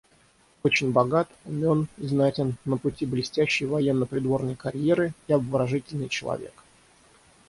Очень богат, умен, знатен, на пути блестящей военно-придворной карьеры и обворожительный человек.